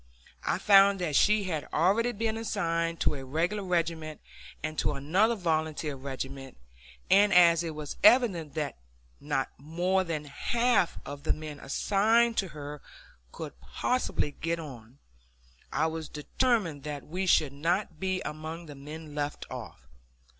I found that she had already been assigned to a regular regiment, and to another volunteer regiment, and as it was evident that not more than half of the men assigned to her could possibly get on, I was determined that we should not be among the men left off.